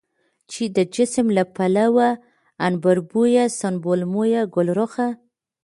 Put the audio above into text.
چې د جسم له پلوه عنبربويه، سنبل مويه، ګلرخه،